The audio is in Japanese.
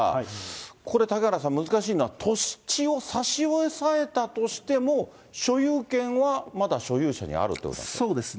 これ、嵩原さん、難しいのは土地を差し押さえたとしても、所有権はまだ所有者にあるということなんですね。